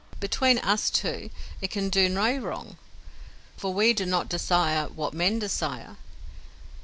Between us two it can do no wrong, for we do not desire what men desire.